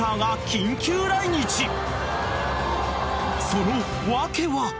［その訳は？］